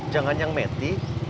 jangan yang metik